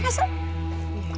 gak usah ketawain